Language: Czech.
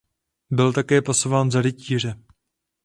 Byl také pasován za rytíře.